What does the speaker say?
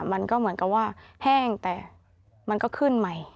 มันก็เหมือนกับว่าแห้งแต่มันก็ขึ้นใหม่